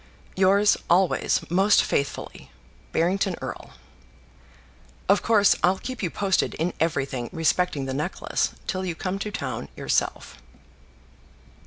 Yours always most faithfully, BARRINGTON ERLE. Of course, I'll keep you posted in everything respecting the necklace till you come to town yourself.